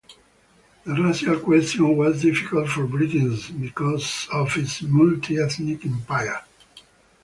The racial question was difficult for Britain because of its multi-ethnic empire.